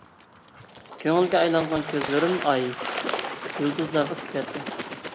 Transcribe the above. كۆڭۈلگە ئايلانغان كۆزلىرىم ئاي، يۇلتۇزلارغا تىكىلەتتى.